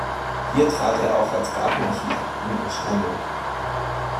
Hier trat er auch als Gartenarchitekt in Erscheinung.